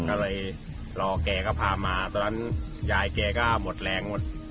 ก็เลยรอแกก็พามาตอนนั้นยายแกก็หมดแรงหมด